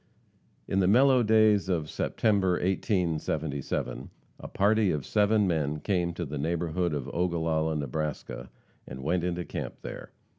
In the mellow days of September, 1877, a party of seven men came to the neighborhood of Ogallala, Nebraska, and went into camp there.